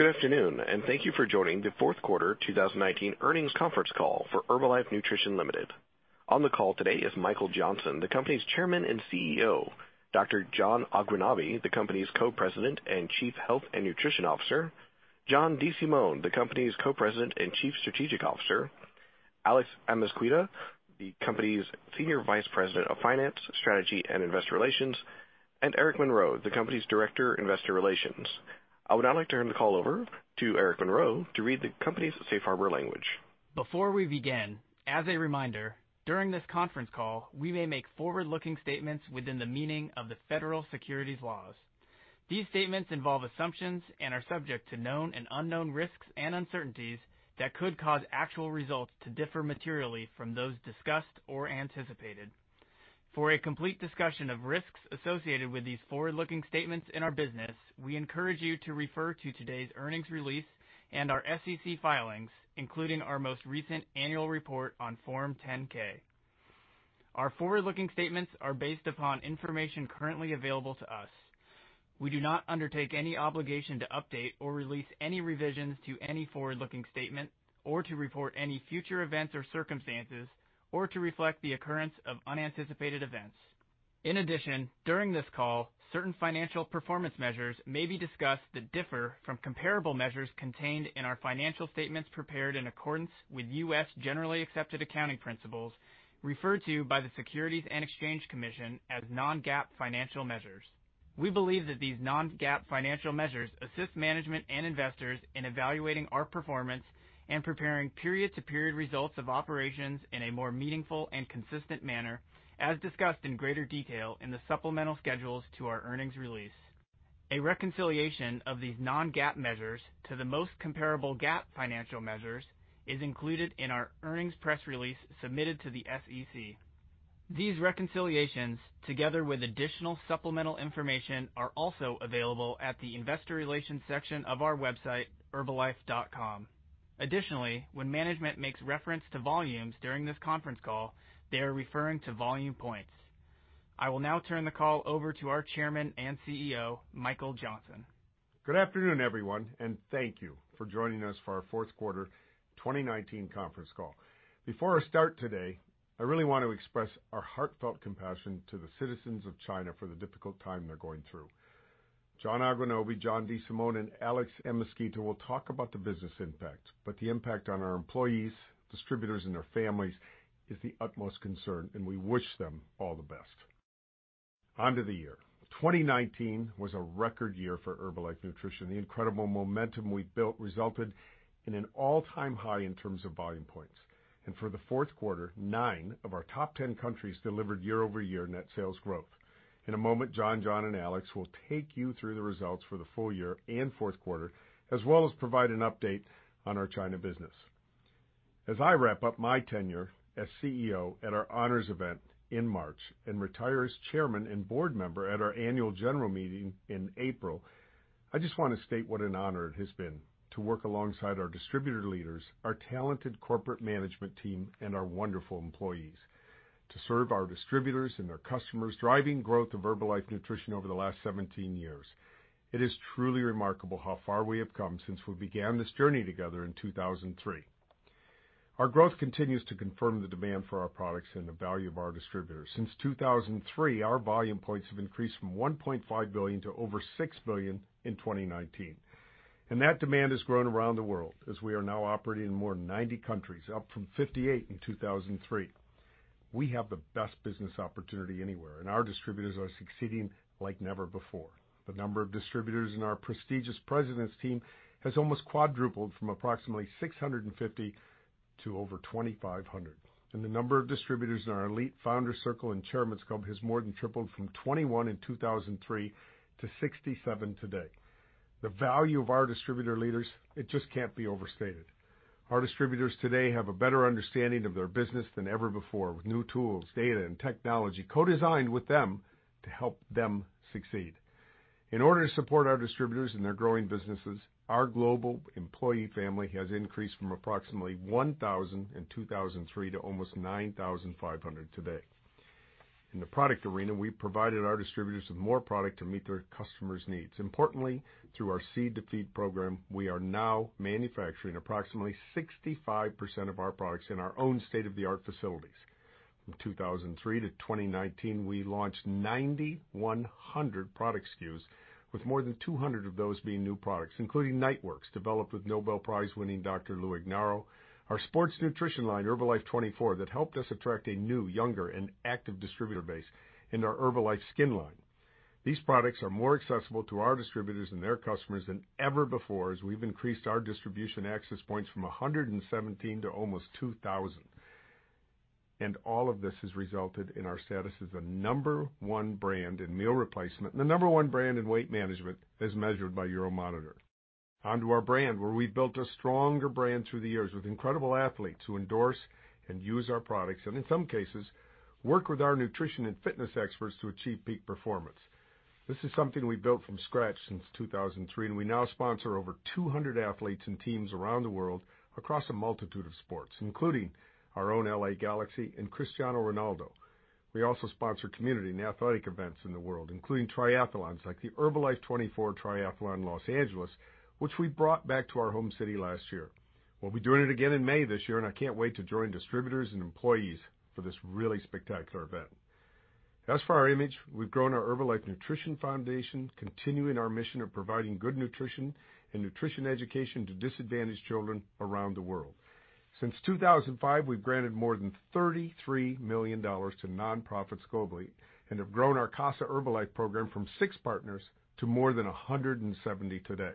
Good afternoon, and thank you for joining the fourth quarter 2019 earnings conference call for Herbalife Nutrition Ltd. On the call today is Michael Johnson, the company's Chairman and CEO, Dr. John Agwunobi, the company's Co-President and Chief Health and Nutrition Officer, John DeSimone, the company's Co-President and Chief Strategic Officer, Alex Amezquita, the company's Senior Vice President of Finance, Strategy, and Investor Relations, and Eric Monroe, the company's Director, Investor Relations. I would now like to turn the call over to Eric Monroe to read the company's safe harbor language. Before we begin, as a reminder, during this conference call, we may make forward-looking statements within the meaning of the federal securities laws. These statements involve assumptions and are subject to known and unknown risks and uncertainties that could cause actual results to differ materially from those discussed or anticipated. For a complete discussion of risks associated with these forward-looking statements in our business, we encourage you to refer to today's earnings release and our SEC filings, including our most recent annual report on Form 10-K. Our forward-looking statements are based upon information currently available to us. We do not undertake any obligation to update or release any revisions to any forward-looking statement or to report any future events or circumstances, or to reflect the occurrence of unanticipated events. In addition, during this call, certain financial performance measures may be discussed that differ from comparable measures contained in our financial statements prepared in accordance with U.S. Generally Accepted Accounting Principles referred to by the Securities and Exchange Commission as non-GAAP financial measures. We believe that these non-GAAP financial measures assist management and investors in evaluating our performance and preparing period-to-period results of operations in a more meaningful and consistent manner, as discussed in greater detail in the supplemental schedules to our earnings release. A reconciliation of these non-GAAP measures to the most comparable GAAP financial measures is included in our earnings press release submitted to the SEC. These reconciliations, together with additional supplemental information, are also available at the investor relations section of our website, herbalife.com. Additionally, when management makes reference to volumes during this conference call, they are referring to Volume Points. I will now turn the call over to our Chairman and CEO, Michael Johnson. Good afternoon, everyone, and thank you for joining us for our fourth quarter 2019 conference call. Before I start today, I really want to express our heartfelt compassion to the citizens of China for the difficult time they're going through. John Agwunobi, John DeSimone, and Alex Amezquita will talk about the business impact, the impact on our employees, distributors, and their families is the utmost concern, and we wish them all the best. On to the year. 2019 was a record year for Herbalife Nutrition. The incredible momentum we built resulted in an all-time high in Volume Points. for the fourth quarter, nine of our top 10 countries delivered year-over-year net sales growth. In a moment, John, and Alex will take you through the results for the full year and fourth quarter, as well as provide an update on our China business. As I wrap up my tenure as CEO at our honors event in March and retire as Chairman and Board Member at our Annual General Meeting in April, I just want to state what an honor it has been to work alongside our distributor leaders, our talented corporate management team, and our wonderful employees to serve our distributors and their customers, driving growth of Herbalife Nutrition over the last 17 years. It is truly remarkable how far we have come since we began this journey together in 2003. Our growth continues to confirm the demand for our products and the value of our distributors. Since Volume Points have increased from 1.5 billion to over 6 billion in 2019. That demand has grown around the world as we are now operating in more than 90 countries, up from 58 in 2003. We have the best business opportunity anywhere, and our distributors are succeeding like never before. The number of distributors in our prestigious President's Team has almost quadrupled from approximately 650 to over 2,500. The number of distributors in our elite Founder's Circle and Chairman's Club has more than tripled from 21 in 2003 to 67 today. The value of our distributor leaders, it just can't be overstated. Our distributors today have a better understanding of their business than ever before with new tools, data, and technology co-designed with them to help them succeed. In order to support our distributors and their growing businesses, our global employee family has increased from approximately 1,000 in 2003 to almost 9,500 today. In the product arena, we provided our distributors with more product to meet their customers' needs. Importantly, through our Seed to Feed program, we are now manufacturing approximately 65% of our products in our own state-of-the-art facilities. From 2003 to 2019, we launched 9,100 product SKUs, with more than 200 of those being new products, including Niteworks, developed with Nobel Prize-winning Dr. Lou Ignarro, our sports nutrition line, Herbalife24, that helped us attract a new, younger, and active distributor base in our Herbalife SKIN line. These products are more accessible to our distributors and their customers than ever before as we've increased our distribution access points from 117 to almost 2,000. All of this has resulted in our status as the number one brand in meal replacement and the number one brand in weight management as measured by Euromonitor. On to our brand, where we built a stronger brand through the years with incredible athletes who endorse and use our products and in some cases, work with our nutrition and fitness experts to achieve peak performance. This is something we built from scratch since 2003. We now sponsor over 200 athletes and teams around the world across a multitude of sports, including our own LA Galaxy and Cristiano Ronaldo. We also sponsor community and athletic events in the world, including triathlons like the Herbalife24 Triathlon Los Angeles, which we brought back to our home city last year. We'll be doing it again in May this year. I can't wait to join distributors and employees for this really spectacular event. As for our image, we've grown our Herbalife Nutrition Foundation, continuing our mission of providing good nutrition and nutrition education to disadvantaged children around the world. Since 2005, we've granted more than $33 million to nonprofits globally and have grown our Casa Herbalife program from six partners to more than 170 today.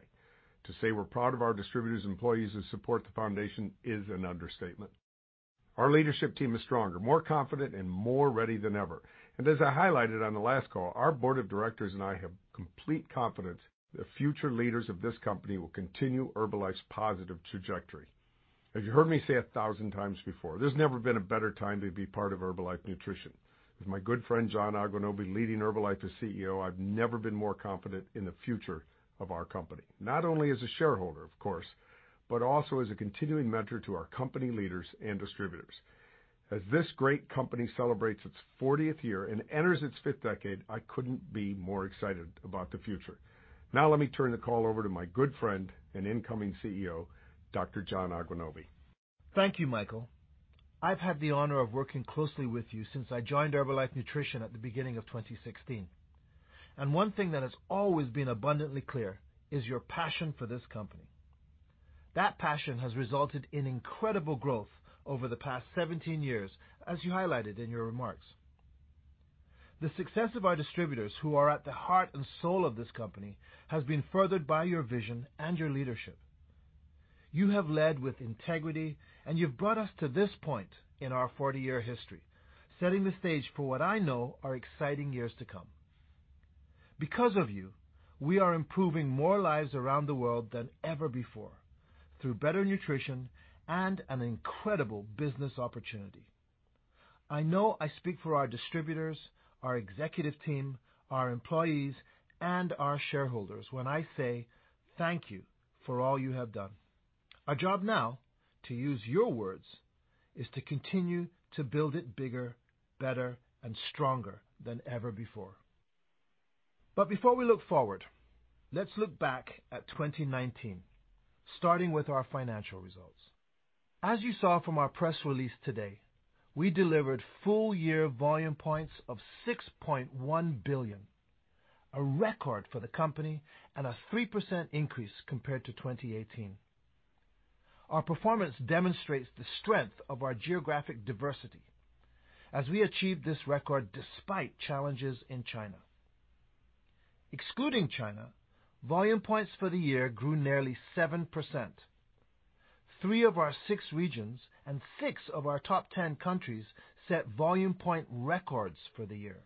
To say we're proud of our distributors and employees who support the foundation is an understatement. Our leadership team is stronger, more confident, and more ready than ever. As I highlighted on the last call, our board of directors and I have complete confidence the future leaders of this company will continue Herbalife's positive trajectory. As you heard me say 1,000 times before, there's never been a better time to be part of Herbalife Nutrition. With my good friend, John Agwunobi, leading Herbalife as CEO, I've never been more confident in the future of our company, not only as a shareholder, of course, but also as a continuing mentor to our company leaders and distributors. As this great company celebrates its 40th year and enters its fifth decade, I couldn't be more excited about the future. Let me turn the call over to my good friend and incoming CEO, Dr. John Agwunobi. Thank you, Michael. I've had the honor of working closely with you since I joined Herbalife Nutrition at the beginning of 2016, and one thing that has always been abundantly clear is your passion for this company. That passion has resulted in incredible growth over the past 17 years, as you highlighted in your remarks. The success of our distributors, who are at the heart and soul of this company, has been furthered by your vision and your leadership. You have led with integrity, and you've brought us to this point in our 40-year history, setting the stage for what I know are exciting years to come. Because of you, we are improving more lives around the world than ever before through better nutrition and an incredible business opportunity. I know I speak for our distributors, our executive team, our employees, and our shareholders when I say thank you for all you have done. Our job now, to use your words, is to continue to build it bigger, better, and stronger than ever before. Before we look forward, let's look back at 2019, starting with our financial results. As you saw from our press release today, we delivered Volume Points of 6.1 billion, a record for the company and a 3% increase compared to 2018. Our performance demonstrates the strength of our geographic diversity as we achieved this record despite challenges in China. Volume Points for the year grew nearly 7%. three of our six regions and six of our top 10 countries set Volume Point records for the year.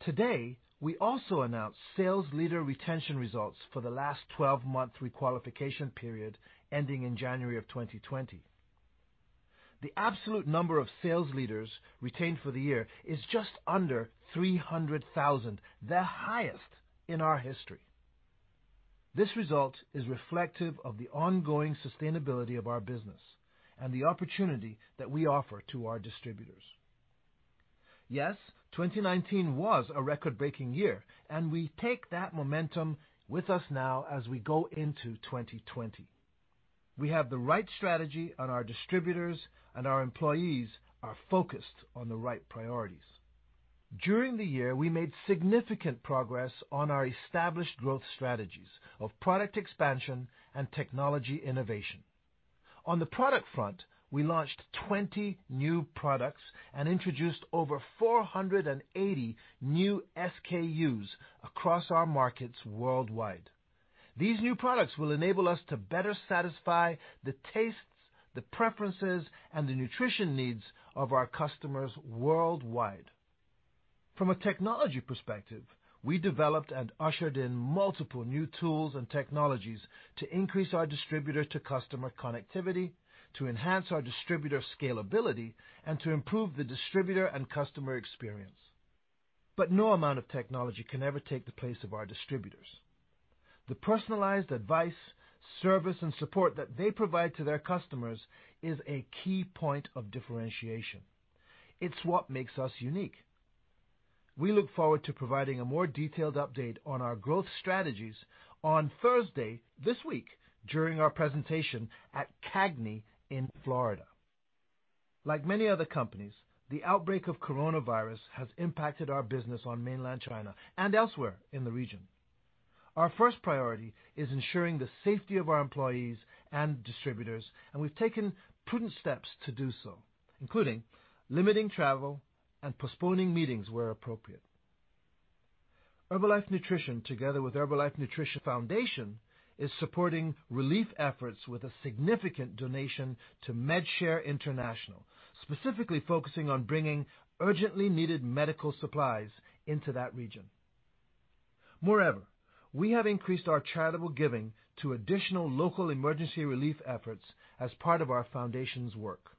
Today, we also announced sales leader retention results for the last 12-month requalification period ending in January of 2020. The absolute number of sales leaders retained for the year is just under 300,000, the highest in our history. This result is reflective of the ongoing sustainability of our business and the opportunity that we offer to our distributors. Yes, 2019 was a record-breaking year, and we take that momentum with us now as we go into 2020. We have the right strategy, and our distributors and our employees are focused on the right priorities. During the year, we made significant progress on our established growth strategies of product expansion and technology innovation. On the product front, we launched 20 new products and introduced over 480 new SKUs across our markets worldwide. These new products will enable us to better satisfy the tastes, the preferences, and the nutrition needs of our customers worldwide. From a technology perspective, we developed and ushered in multiple new tools and technologies to increase our distributor-to-customer connectivity, to enhance our distributor scalability, and to improve the distributor and customer experience. No amount of technology can ever take the place of our distributors. The personalized advice, service, and support that they provide to their customers is a key point of differentiation. It's what makes us unique. We look forward to providing a more detailed update on our growth strategies on Thursday this week during our presentation at CAGNY in Florida. Like many other companies, the outbreak of coronavirus has impacted our business on mainland China and elsewhere in the region. Our first priority is ensuring the safety of our employees and distributors, and we've taken prudent steps to do so, including limiting travel and postponing meetings where appropriate. Herbalife Nutrition, together with Herbalife Nutrition Foundation, is supporting relief efforts with a significant donation to MedShare, specifically focusing on bringing urgently needed medical supplies into that region. Moreover, we have increased our charitable giving to additional local emergency relief efforts as part of our foundation's work.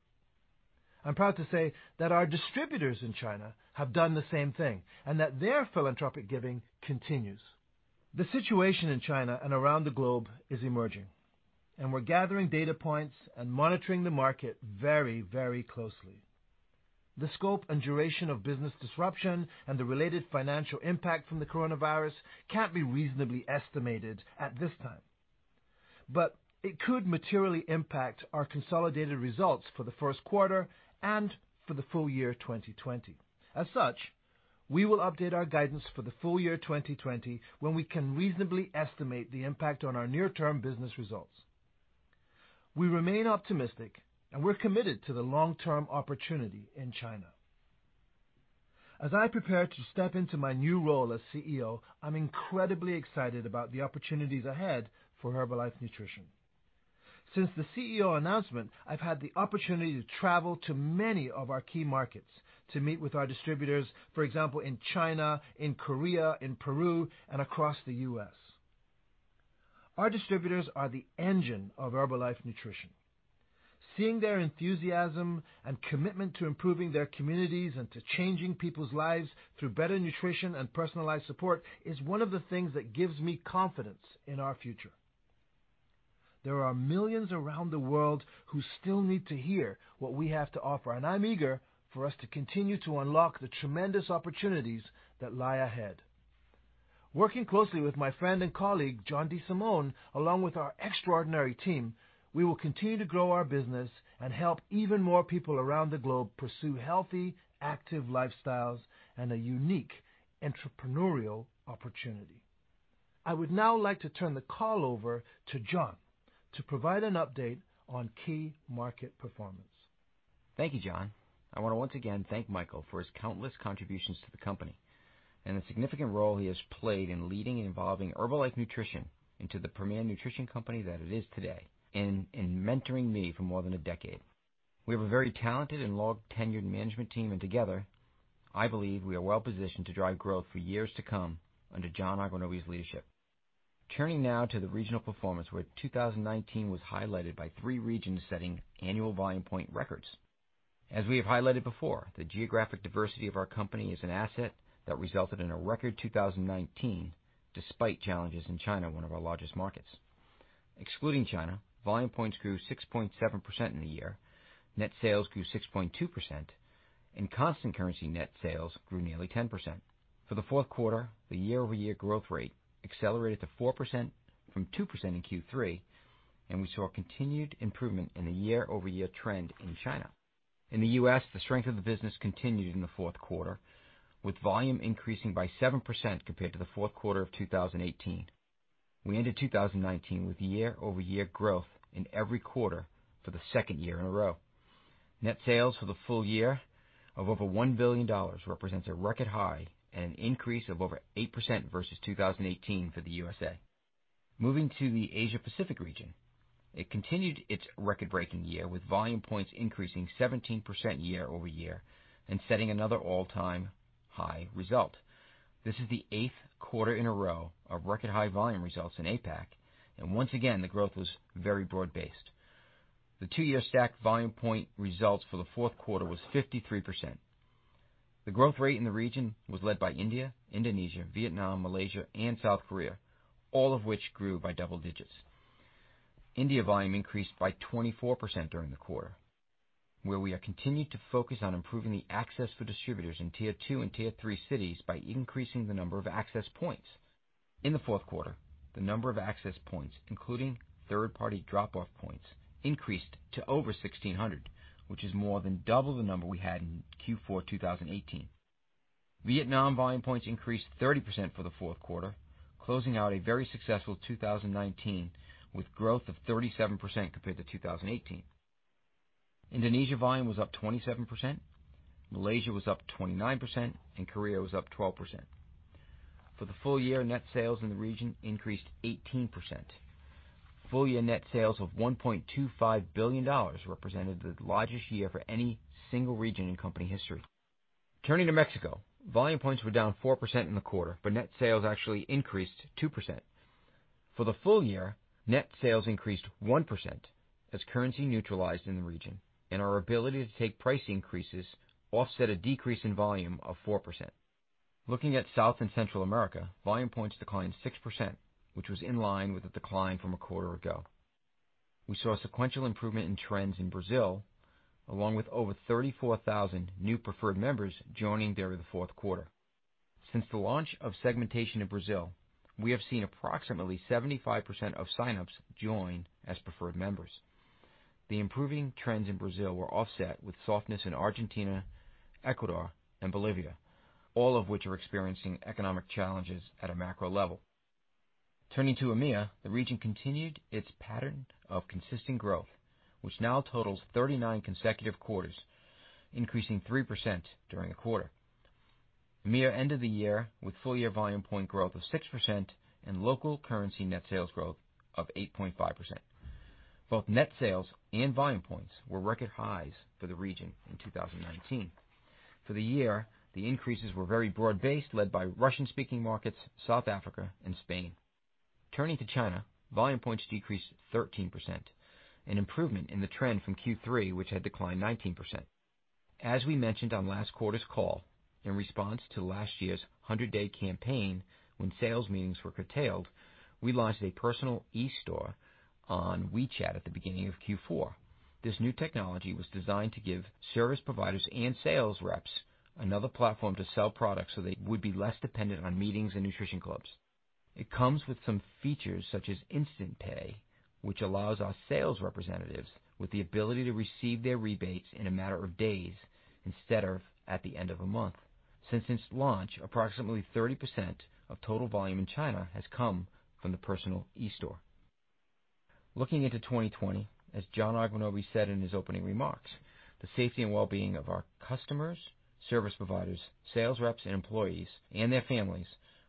I'm proud to say that our distributors in China have done the same thing and that their philanthropic giving continues. The situation in China and around the globe is emerging. We're gathering data points and monitoring the market very closely. The scope and duration of business disruption and the related financial impact from the coronavirus can't be reasonably estimated at this time, but it could materially impact our consolidated results for the first quarter and for the full year 2020. As such, we will update our guidance for the full year 2020 when we can reasonably estimate the impact on our near-term business results. We remain optimistic, and we're committed to the long-term opportunity in China. As I prepare to step into my new role as CEO, I'm incredibly excited about the opportunities ahead for Herbalife Nutrition. Since the CEO announcement, I've had the opportunity to travel to many of our key markets to meet with our distributors, for example, in China, in Korea, in Peru, and across the U.S. Our distributors are the engine of Herbalife Nutrition. Seeing their enthusiasm and commitment to improving their communities and to changing people's lives through better nutrition and personalized support is one of the things that gives me confidence in our future. There are millions around the world who still need to hear what we have to offer, and I'm eager for us to continue to unlock the tremendous opportunities that lie ahead. Working closely with my friend and colleague, John DeSimone, along with our extraordinary team, we will continue to grow our business and help even more people around the globe pursue healthy, active lifestyles and a unique entrepreneurial opportunity. I would now like to turn the call over to John to provide an update on key market performance. Thank you, John. I want to once again thank Michael for his countless contributions to the company and the significant role he has played in leading and evolving Herbalife Nutrition into the premier nutrition company that it is today and in mentoring me for more than a decade. Together, I believe we are well-positioned to drive growth for years to come under John Agwunobi's leadership. Turning now to the regional performance where 2019 was highlighted by three regions Volume Points records. as we have highlighted before, the geographic diversity of our company is an asset that resulted in a record 2019 despite challenges in China, one of our largest markets. Excluding China Volume Points grew 6.7% in the year, net sales grew 6.2%, and constant currency net sales grew nearly 10%. For the fourth quarter, the year-over-year growth rate accelerated to 4% from 2% in Q3, and we saw continued improvement in the year-over-year trend in China. In the U.S., the strength of the business continued in the fourth quarter, with volume increasing by 7% compared to the fourth quarter of 2018. We ended 2019 with year-over-year growth in every quarter for the second year in a row. Net sales for the full year of over $1 billion represents a record high and an increase of over 8% versus 2018 for the U.S.A. Moving to the Asia-Pacific region, it continued its record-breaking Volume Points increasing 17% year-over-year and setting another all-time high result. This is the eighth quarter in a row of record high volume results in APAC, and once again, the growth was very broad-based. The two-year stacked Volume Point results for the fourth quarter was 53%. The growth rate in the region was led by India, Indonesia, Vietnam, Malaysia, and South Korea, all of which grew by double digits. India volume increased by 24% during the quarter, where we are continuing to focus on improving the access for distributors in Tier 2 and Tier 3 cities by increasing the number of access points. In the fourth quarter, the number of access points, including third-party drop-off points, increased to over 1,600, which is more than double the number we had in Q4 Volume Points increased 30% for the fourth quarter, closing out a very successful 2019 with growth of 37% compared to 2018. Indonesia volume was up 27%, Malaysia was up 29%, and Korea was up 12%. For the full year, net sales in the region increased 18%. Full year net sales of $1.25 billion represented the largest year for any single region in company history. Turning to Mexico, Volume Points were down 4% in the quarter, net sales actually increased 2%. For the full year, net sales increased 1% as currency neutralized in the region and our ability to take price increases offset a decrease in volume of 4%. Looking at South and Central America Volume Points declined 6%, which was in line with the decline from a quarter ago. We saw a sequential improvement in trends in Brazil, along with over 34,000 new preferred members joining there in the fourth quarter. Since the launch of segmentation in Brazil, we have seen approximately 75% of sign-ups join as preferred members. The improving trends in Brazil were offset with softness in Argentina, Ecuador, and Bolivia, all of which are experiencing economic challenges at a macro level. Turning to EMEA, the region continued its pattern of consistent growth, which now totals 39 consecutive quarters, increasing 3% during the quarter. EMEA end of the year with full year Volume Point growth of 6% and local currency net sales growth of 8.5%. Both net Volume Points were record highs for the region in 2019. For the year, the increases were very broad-based, led by Russian-speaking markets, South Africa, and Spain. Turning to China, Volume Points decreased 13%, an improvement in the trend from Q3, which had declined 19%. As we mentioned on last quarter's call, in response to last year's 100-day campaign when sales meetings were curtailed, we launched a personal e-store on WeChat at the beginning of Q4. This new technology was designed to give service providers and sales reps another platform to sell products so they would be less dependent on meetings and nutrition clubs. It comes with some features such as instant pay, which allows our sales representatives with the ability to receive their rebates in a matter of days instead of at the end of a month. Since its launch, approximately 30% of total volume in China has come from the personal e-store. Looking into 2020, as John Agwunobi said in his opening remarks, the safety and wellbeing of our customers, service providers, sales reps, and employees, and their families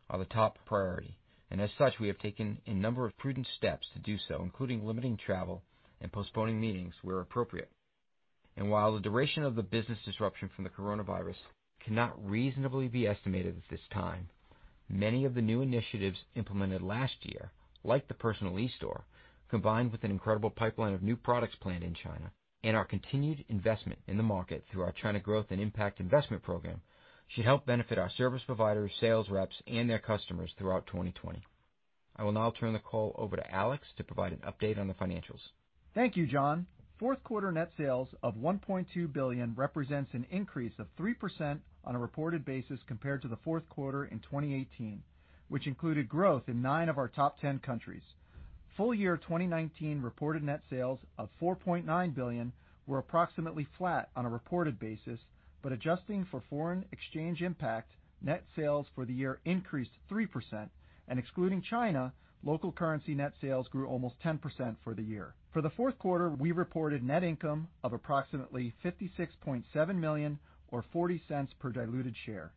are the top priority. As such, we have taken a number of prudent steps to do so, including limiting travel and postponing meetings where appropriate. While the duration of the business disruption from the coronavirus cannot reasonably be estimated at this time, many of the new initiatives implemented last year, like the Personal e-store, combined with an incredible pipeline of new products planned in China, and our continued investment in the market through our China Growth and Impact Investment Program, should help benefit our service providers, sales reps, and their customers throughout 2020. I will now turn the call over to Alex to provide an update on the financials. Thank you, John. Fourth quarter net sales of $1.2 billion represents an increase of 3% on a reported basis compared to the fourth quarter in 2018, which included growth in 9 of our top 10 countries. Full year 2019 reported net sales of $4.9 billion were approximately flat on a reported basis, adjusting for foreign exchange impact, net sales for the year increased 3%, and excluding China, local currency net sales grew almost 10% for the year. For the fourth quarter, we reported net income of approximately $56.7 million or $0.40 per diluted share.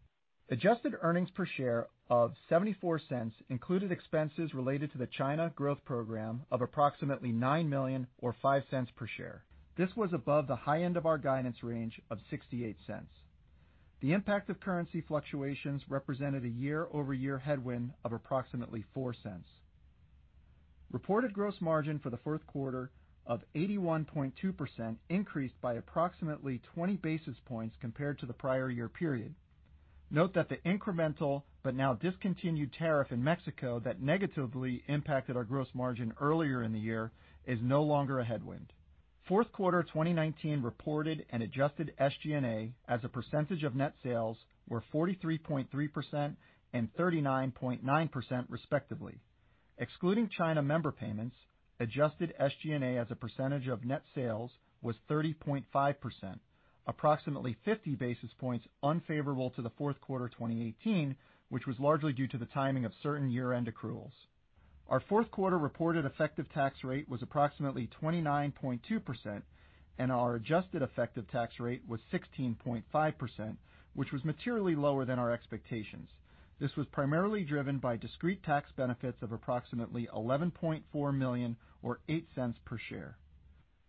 Adjusted earnings per share of $0.74 included expenses related to the China growth program of approximately $9 million or $0.05 per share. This was above the high end of our guidance range of $0.68. The impact of currency fluctuations represented a year-over-year headwind of approximately $0.04. Reported gross margin for the fourth quarter of 81.2% increased by approximately 20 basis points compared to the prior year period. Note that the incremental but now discontinued tariff in Mexico that negatively impacted our gross margin earlier in the year is no longer a headwind. Fourth quarter 2019 reported and adjusted SG&A as a percentage of net sales were 43.3% and 39.9% respectively. Excluding China member payments, adjusted SG&A as a percentage of net sales was 30.5%, approximately 50 basis points unfavorable to the fourth quarter 2018, which was largely due to the timing of certain year-end accruals. Our fourth quarter reported effective tax rate was approximately 29.2%, and our adjusted effective tax rate was 16.5%, which was materially lower than our expectations. This was primarily driven by discrete tax benefits of approximately $11.4 million or $0.08 per share.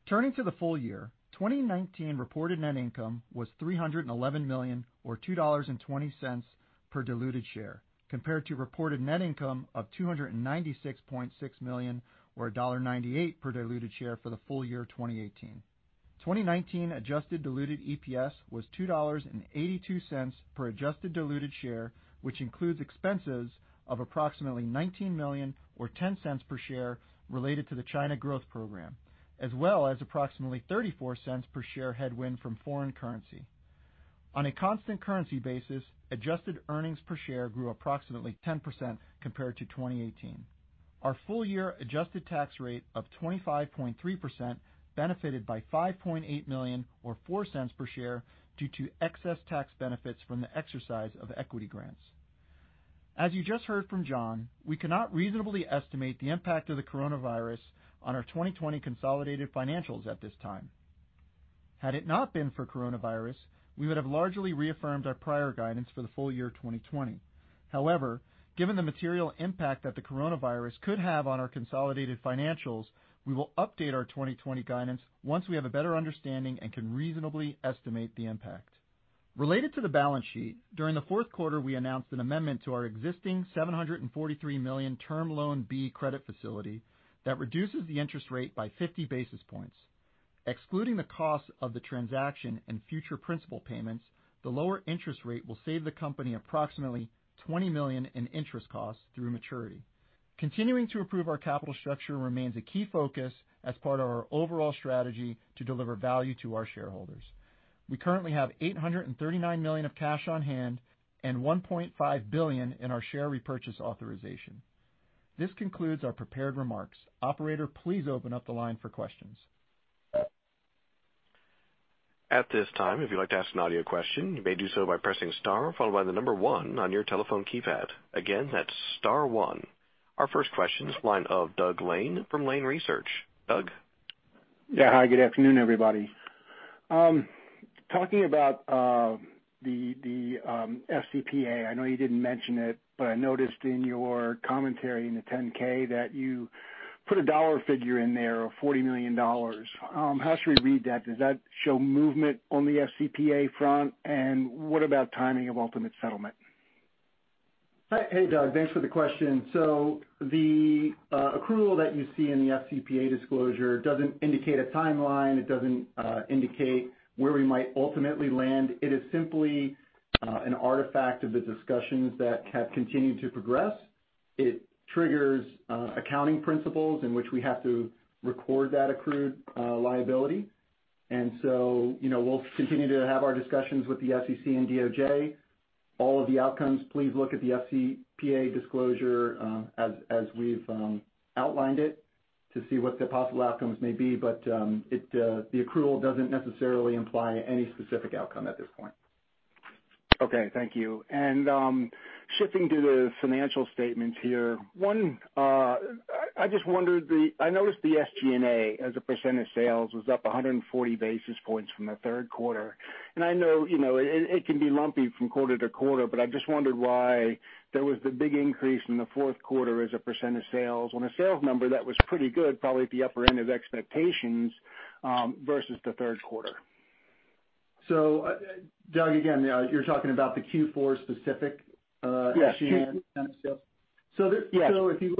Turning to the full year, 2019 reported net income was $311 million or $2.20 per diluted share compared to reported net income of $296.6 million or $1.98 per diluted share for the full year 2018. 2019 adjusted diluted EPS was $2.82 per adjusted diluted share, which includes expenses of approximately $19 million or $0.10 per share related to the China Growth Program, as well as approximately $0.34 per share headwind from foreign currency. On a constant currency basis, adjusted earnings per share grew approximately 10% compared to 2018. Our full year adjusted tax rate of 25.3% benefited by $5.8 million or $0.04 per share due to excess tax benefits from the exercise of equity grants. As you just heard from John, we cannot reasonably estimate the impact of the coronavirus on our 2020 consolidated financials at this time. Had it not been for coronavirus, we would have largely reaffirmed our prior guidance for the full year 2020. Given the material impact that the coronavirus could have on our consolidated financials, we will update our 2020 guidance once we have a better understanding and can reasonably estimate the impact. Related to the balance sheet, during the fourth quarter, we announced an amendment to our existing $743 million Term Loan B credit facility that reduces the interest rate by 50 basis points. Excluding the cost of the transaction and future principal payments, the lower interest rate will save the company approximately $20 million in interest costs through maturity. Continuing to improve our capital structure remains a key focus as part of our overall strategy to deliver value to our shareholders. We currently have $839 million of cash on hand and $1.5 billion in our share repurchase authorization. This concludes our prepared remarks. Operator, please open up the line for questions. At this time, if you'd like to ask an audio question, you may do so by pressing star followed by the number one on your telephone keypad. Again, that's star one. Our first question, this line of Doug Lane from Lane Research. Doug? Yeah, hi. Good afternoon, everybody. Talking about the FCPA, I know you didn't mention it, but I noticed in your commentary in the 10-K that you put a dollar figure in there of $40 million. How should we read that? Does that show movement on the FCPA front? What about timing of ultimate settlement? Hey, Doug. Thanks for the question. The accrual that you see in the FCPA disclosure doesn't indicate a timeline. It doesn't indicate where we might ultimately land. It is simply an artifact of the discussions that have continued to progress. It triggers accounting principles in which we have to record that accrued liability. We'll continue to have our discussions with the SEC and DOJ. All of the outcomes, please look at the FCPA disclosure, as we've outlined it, to see what the possible outcomes may be. The accrual doesn't necessarily imply any specific outcome at this point. Okay. Thank you. Shifting to the financial statements here. I noticed the SG&A, as a percentage of sales, was up 140 basis points from the third quarter. I know it can be lumpy from quarter to quarter, but I just wondered why there was the big increase in the fourth quarter as a percentage of sales on a sales number that was pretty good, probably at the upper end of expectations, versus the third quarter. Doug, again, you're talking about the Q4 specific-. Yeah SG&A If you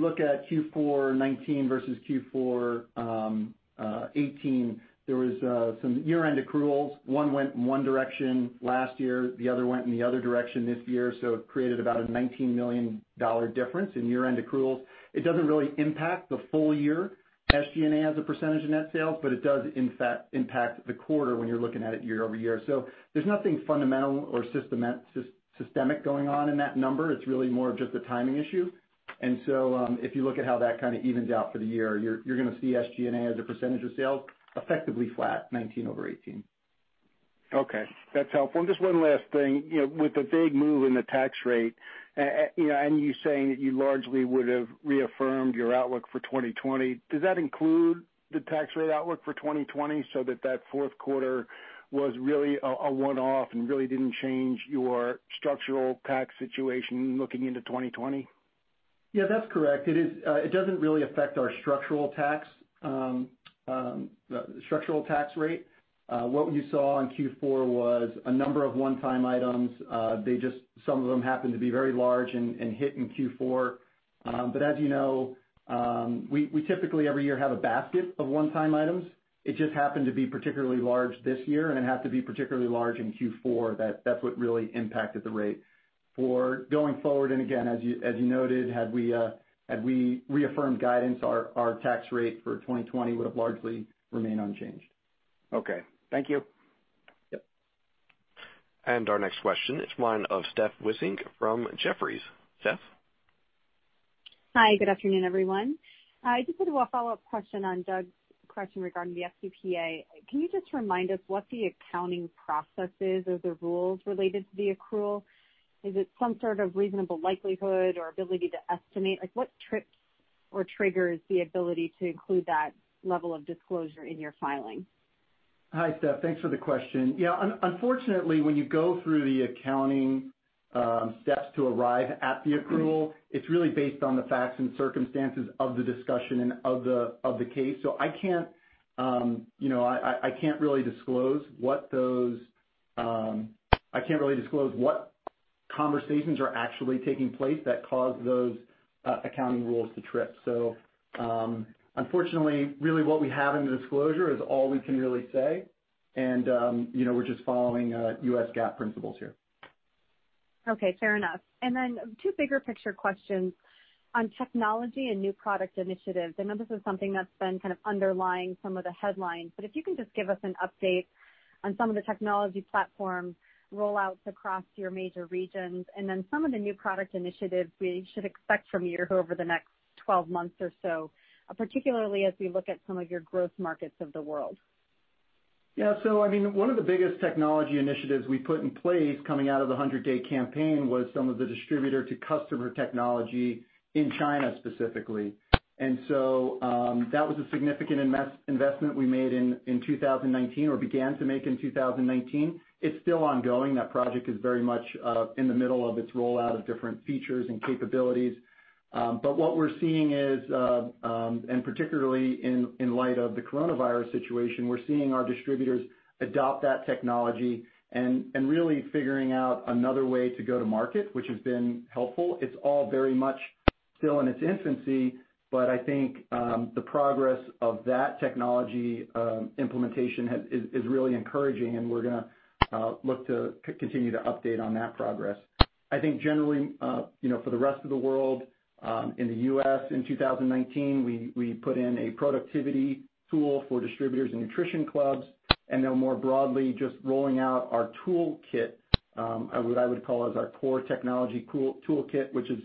look at Q4 2019 versus Q4 2018, there was some year-end accruals. One went in one direction last year, the other went in the other direction this year, it created about a $19 million difference in year-end accruals. It doesn't really impact the full year SG&A as a percentage of net sales, but it does impact the quarter when you're looking at it year-over-year. There's nothing fundamental or systemic going on in that number. It's really more of just a timing issue. If you look at how that kind of evens out for the year, you're going to see SG&A as a percentage of sales effectively flat 2019 over 2018. Okay. That's helpful. Just one last thing. With the big move in the tax rate, and you saying that you largely would've reaffirmed your outlook for 2020, does that include the tax rate outlook for 2020 so that that fourth quarter was really a one-off and really didn't change your structural tax situation looking into 2020? Yeah, that's correct. It doesn't really affect our structural tax rate. What you saw in Q4 was a number of one-time items. Some of them happened to be very large and hit in Q4. As you know, we typically every year have a basket of one-time items. It just happened to be particularly large this year and happened to be particularly large in Q4. That's what really impacted the rate. Going forward, again, as you noted, had we reaffirmed guidance, our tax rate for 2020 would've largely remained unchanged. Okay. Thank you. Yep. Our next question is one of Steph Wissink from Jefferies. Steph? Hi, good afternoon, everyone. I just had a follow-up question on Doug's question regarding the FCPA. Can you just remind us what the accounting process is or the rules related to the accrual? Is it some sort of reasonable likelihood or ability to estimate? What trips or triggers the ability to include that level of disclosure in your filing? Hi, Steph. Thanks for the question. Yeah, unfortunately, when you go through the accounting steps to arrive at the accrual, it's really based on the facts and circumstances of the discussion and of the case. I can't really disclose what conversations are actually taking place that cause those accounting rules to trip. Unfortunately, really what we have in the disclosure is all we can really say, and we're just following U.S. GAAP principles here. Okay, fair enough. Then two bigger picture questions on technology and new product initiatives. I know this is something that's been kind of underlying some of the headlines, but if you can just give us an update on some of the technology platform rollouts across your major regions, and then some of the new product initiatives we should expect from you over the next 12 months or so, particularly as we look at some of your growth markets of the world. One of the biggest technology initiatives we put in place coming out of the 100-day campaign was some of the distributor to customer technology in China, specifically. That was a significant investment we made in 2019 or began to make in 2019. It's still ongoing. That project is very much in the middle of its rollout of different features and capabilities. What we're seeing is, and particularly in light of the coronavirus situation, we're seeing our distributors adopt that technology and really figuring out another way to go to market, which has been helpful. It's all very much still in its infancy, I think the progress of that technology implementation is really encouraging, and we're going to look to continue to update on that progress. I think generally, for the rest of the world, in the U.S. in 2019, we put in a productivity tool for distributors and nutrition clubs, and now more broadly, just rolling out our toolkit, what I would call as our core technology toolkit, which is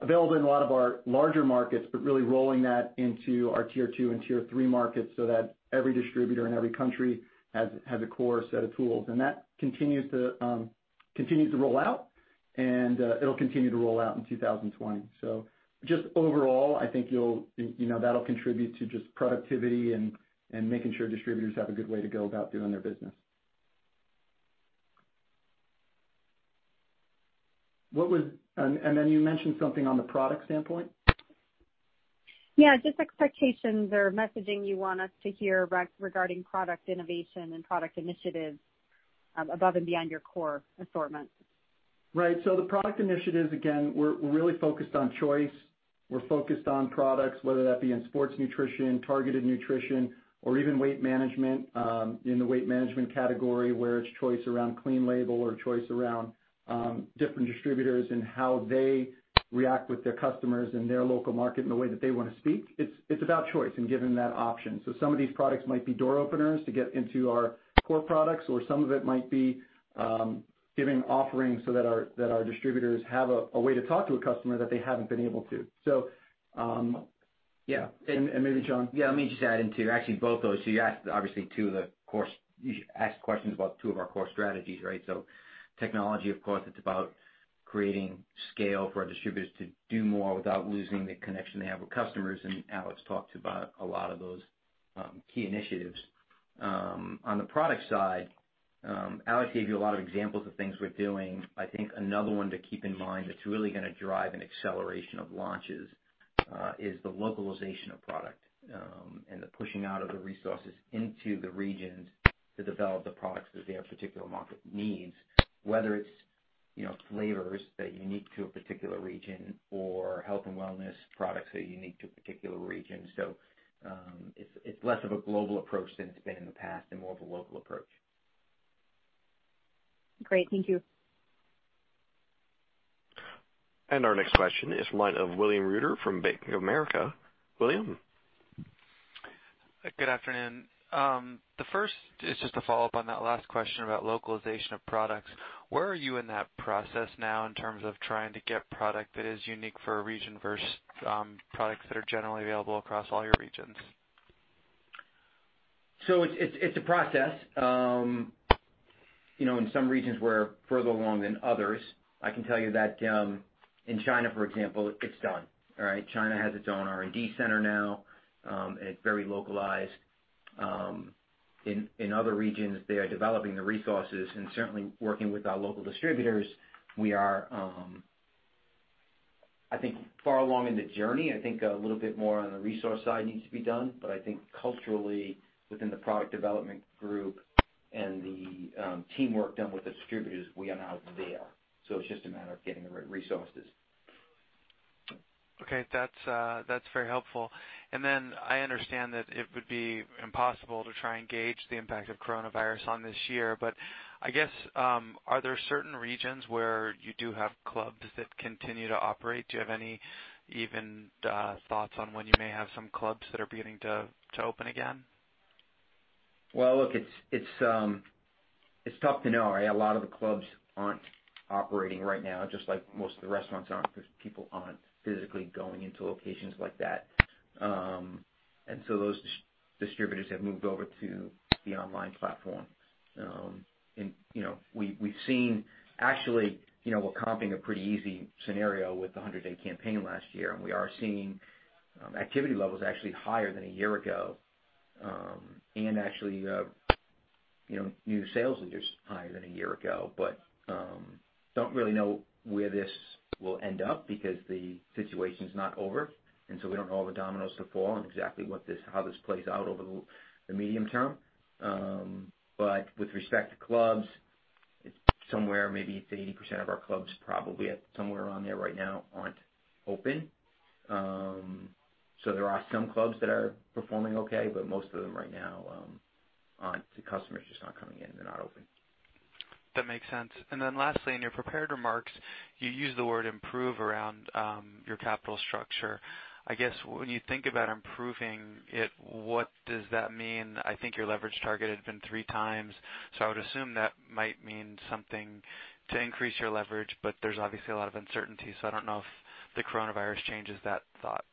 available in a lot of our larger markets, but really rolling that into our Tier 2 and Tier 3 markets so that every distributor in every country has a core set of tools. That continues to roll out and it'll continue to roll out in 2020. Just overall, I think that'll contribute to just productivity and making sure distributors have a good way to go about doing their business. You mentioned something on the product standpoint? Yeah, just expectations or messaging you want us to hear regarding product innovation and product initiatives above and beyond your core assortments. Right. The product initiatives, again, we're really focused on choice. We're focused on products, whether that be in sports nutrition, targeted nutrition, or even weight management, in the weight management category, where it's choice around clean label or choice around different distributors and how they react with their customers in their local market in the way that they want to speak. It's about choice and giving that option. Some of these products might be door openers to get into our core products, or some of it might be giving offerings so that our distributors have a way to talk to a customer that they haven't been able to. Yeah. Maybe John? Yeah. Let me just add in, too, actually, both those. You asked questions about two of our core strategies, right? Technology, of course, it's about creating scale for our distributors to do more without losing the connection they have with customers, and Alex talked about a lot of those key initiatives. On the product side, Alex gave you a lot of examples of things we're doing. I think another one to keep in mind that's really going to drive an acceleration of launches, is the localization of product, and the pushing out of the resources into the regions to develop the products that their particular market needs, whether it's flavors that are unique to a particular region or health and wellness products that are unique to a particular region. It's less of a global approach than it's been in the past and more of a local approach. Great. Thank you. Our next question is the line of William Reuter from Bank of America. William? Good afternoon. The first is just a follow-up on that last question about localization of products. Where are you in that process now in terms of trying to get product that is unique for a region versus products that are generally available across all your regions? It's a process. In some regions we're further along than others. I can tell you that in China, for example, it's done. All right? China has its own R&D center now. It's very localized. In other regions, they are developing the resources and certainly working with our local distributors. We are, I think, far along in the journey. I think a little bit more on the resource side needs to be done. I think culturally, within the product development group and the teamwork done with the distributors, we are now there. It's just a matter of getting the right resources. Okay. That's very helpful. I understand that it would be impossible to try and gauge the impact of coronavirus on this year. I guess, are there certain regions where you do have clubs that continue to operate? Do you have any even thoughts on when you may have some clubs that are beginning to open again? Well, look, it's tough to know, right? A lot of the clubs aren't operating right now, just like most of the restaurants aren't, because people aren't physically going into locations like that. Those distributors have moved over to the online platform. We've seen, actually, we're comping a pretty easy scenario with the 100-day campaign last year, and we are seeing activity levels actually higher than a year ago. Actually, new sales leaders higher than a year ago. Don't really know where this will end up because the situation's not over, and so we don't know all the dominoes to fall and exactly how this plays out over the medium term. With respect to clubs, it's somewhere maybe it's 80% of our clubs probably, somewhere around there right now, aren't open. There are some clubs that are performing okay, but most of them right now aren't. The customers are just not coming in. They're not open. That makes sense. Lastly, in your prepared remarks, you used the word improve around your capital structure. I guess, when you think about improving it, what does that mean? I think your leverage target had been 3x. I would assume that might mean something to increase your leverage. There's obviously a lot of uncertainty, I don't know if the coronavirus changes that thought.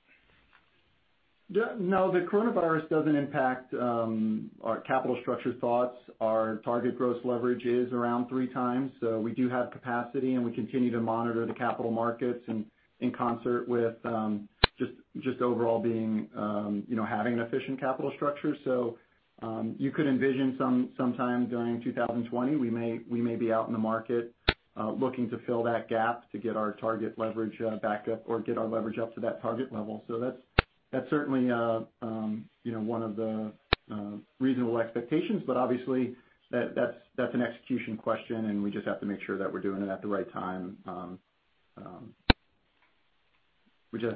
The coronavirus doesn't impact our capital structure thoughts. Our target gross leverage is around 3x. We do have capacity, and we continue to monitor the capital markets and in concert with just overall having an efficient capital structure. You could envision sometime during 2020, we may be out in the market, looking to fill that gap to get our target leverage back up or get our leverage up to that target level. That's certainly one of the reasonable expectations. Obviously that's an execution question, and we just have to make sure that we're doing it at the right time.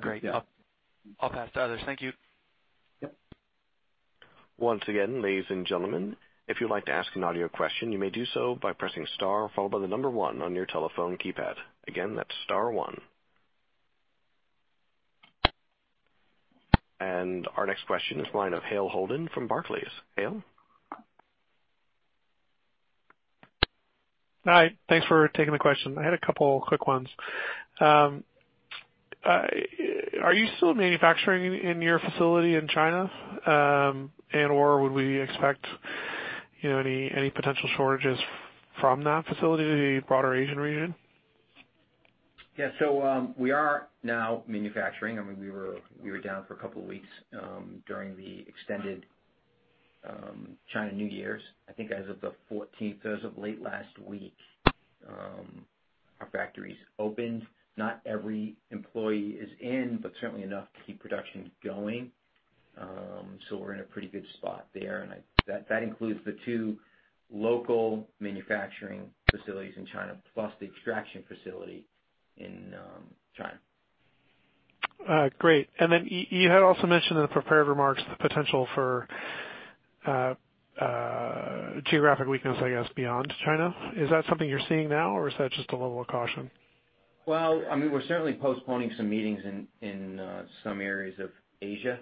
Great. Yeah. I'll pass to others. Thank you. Yep. Once again, ladies and gentlemen, if you'd like to ask an audio question, you may do so by pressing star, followed by the number one on your telephone keypad. Again, that's star one. Our next question is the line of Hale Holden from Barclays. Hale? Hi. Thanks for taking the question. I had a couple quick ones. Are you still manufacturing in your facility in China? Would we expect any potential shortages from that facility to the broader Asian region? Yeah. We are now manufacturing. We were down for a couple of weeks during the extended Chinese New Year's, I think as of the 14th, as of late last week, our factories opened. Not every employee is in, but certainly enough to keep production going. We're in a pretty good spot there. That includes the two local manufacturing facilities in China, plus the extraction facility in China. Great. You had also mentioned in the prepared remarks the potential for geographic weakness, I guess, beyond China. Is that something you're seeing now, or is that just a level of caution? Well, we're certainly postponing some meetings in some areas of Asia.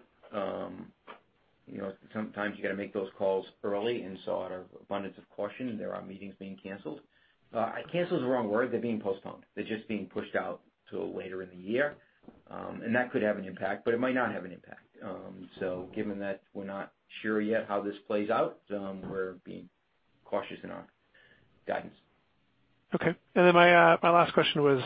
Sometimes you got to make those calls early, out of abundance of caution, there are meetings being canceled. Canceled is the wrong word. They're being postponed. They're just being pushed out to later in the year. That could have an impact, but it might not have an impact. Given that we're not sure yet how this plays out, we're being cautious in our guidance. Okay. My last question was,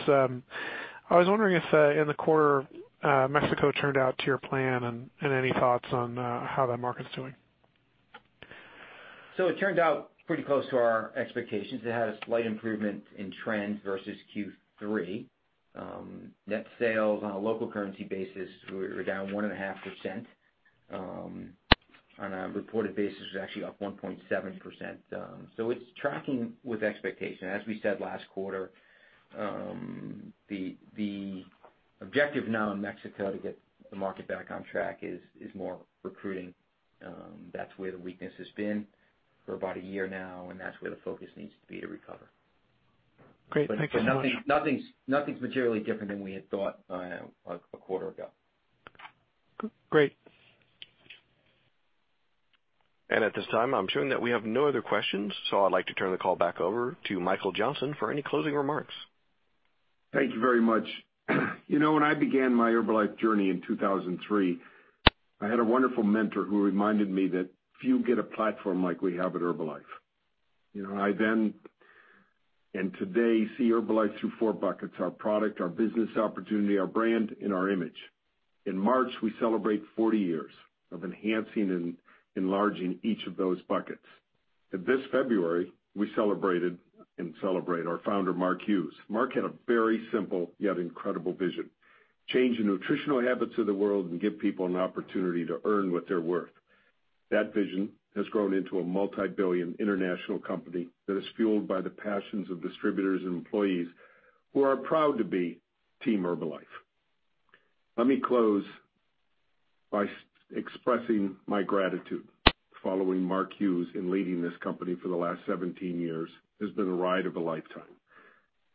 I was wondering if in the quarter, Mexico turned out to your plan, and any thoughts on how that market's doing? It turned out pretty close to our expectations. It had a slight improvement in trends versus Q3. Net sales on a local currency basis were down 1.5%. On a reported basis, it was actually up 1.7%. It's tracking with expectation. As we said last quarter, the objective now in Mexico to get the market back on track is more recruiting. That's where the weakness has been for about a year now, and that's where the focus needs to be to recover. Great. Thank you. Nothing's materially different than we had thought a quarter ago. Great. At this time, I'm showing that we have no other questions. I'd like to turn the call back over to Michael Johnson for any closing remarks. Thank you very much. When I began my Herbalife journey in 2003, I had a wonderful mentor who reminded me that few get a platform like we have at Herbalife. I then, and today, see Herbalife through four buckets, our product, our business opportunity, our brand, and our image. In March, we celebrate 40 years of enhancing and enlarging each of those buckets. This February, we celebrated and celebrate our Founder, Mark Hughes. Mark had a very simple, yet incredible vision. Change the nutritional habits of the world and give people an opportunity to earn what they're worth. That vision has grown into a multi-billion international company that is fueled by the passions of distributors and employees who are proud to be Team Herbalife. Let me close by expressing my gratitude. Following Mark Hughes in leading this company for the last 17 years has been a ride of a lifetime.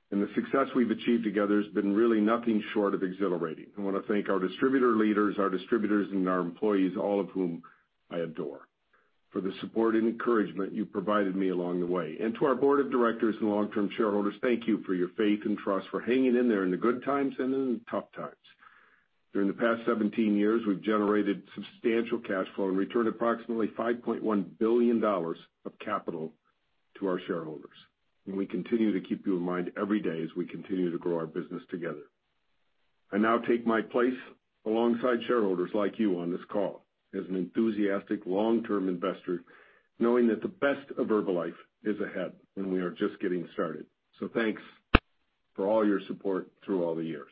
The success we've achieved together has been really nothing short of exhilarating. I want to thank our distributor leaders, our distributors, and our employees, all of whom I adore, for the support and encouragement you provided me along the way. To our board of directors and long-term shareholders, thank you for your faith and trust, for hanging in there in the good times and in the tough times. During the past 17 years, we've generated substantial cash flow and returned approximately $5.1 billion of capital to our shareholders, and we continue to keep you in mind every day as we continue to grow our business together. I now take my place alongside shareholders like you on this call as an enthusiastic long-term investor, knowing that the best of Herbalife is ahead, and we are just getting started. Thanks for all your support through all the years.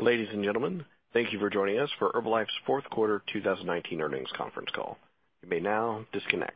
Ladies and gentlemen, thank you for joining us for Herbalife's fourth quarter 2019 earnings conference call. You may now disconnect.